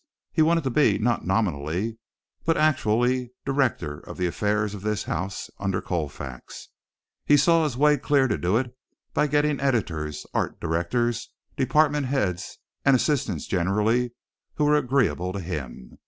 He wanted to be not nominally but actually director of the affairs of this house under Colfax, and he saw his way clear to do it by getting editors, art directors, department heads and assistants generally who were agreeable to him.